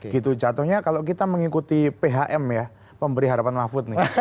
gitu jatuhnya kalau kita mengikuti phm ya pemberi harapan mahfud nih